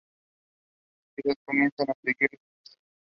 En la ciudad comenzaron a surgir necesidades.